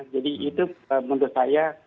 jadi itu menurut saya